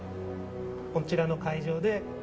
こちらの会場で憲法を。